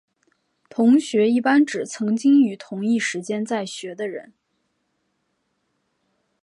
同学一般指曾经于同一时间在学的人。